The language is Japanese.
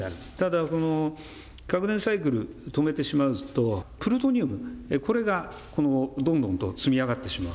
ただこの核燃料サイクルを止めてしまうと、プルトニウム、これがどんどんと積み上がってしまう。